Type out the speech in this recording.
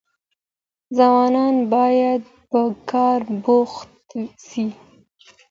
ځوانان بايد په کار بوخت سي.